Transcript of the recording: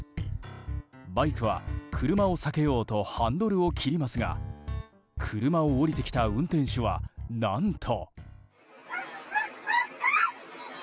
バイクは車を避けようとハンドルを切りますが車を降りてきた運転手は何と。